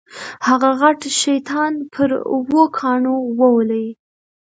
هغه غټ شیطان پر اوو کاڼو وولې.